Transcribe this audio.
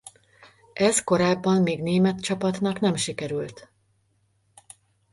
Ez korábban még német csapatnak nem sikerült.